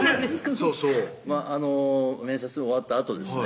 そうそう面接終わったあとですね